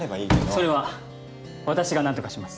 それは私がなんとかします。